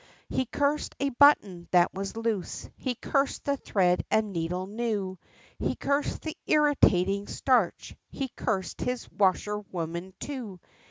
He cursed a button that was loose, he cursed the thread and needle, new, He cursed the irritating starch, he cursed his washerwoman, too.